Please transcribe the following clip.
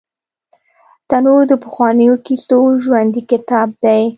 تنور د پخوانیو کیسو ژوندي کتاب دی